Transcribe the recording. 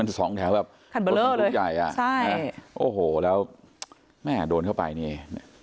สองแถวแบบคันเบอร์เลอร์รถใหญ่อ่ะใช่โอ้โหแล้วแม่โดนเข้าไปนี่